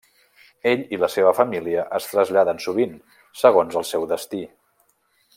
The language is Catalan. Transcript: Ell i la seva família es traslladen sovint, segons el seu destí.